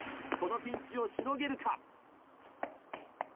このピンチをしのげるか？